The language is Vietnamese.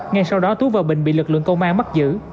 ngay sau đó tú và bình bị lực lượng công an bắt giữ